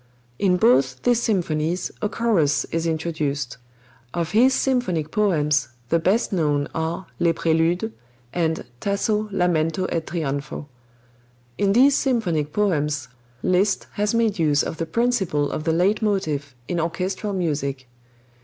In both these symphonies a chorus is introduced. Of his symphonic poems, the best known are "Les Préludes," and "Tasso, Lamento e Trionfo." In these symphonic poems Liszt has made use of the principle of the leitmotif in orchestral music.